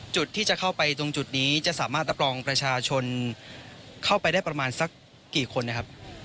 จุดที่จะเข้าไปตรงจุดนี้จะสามารถรับรองประชาชนเข้าไปได้ประมาณสักกี่คนนะครับ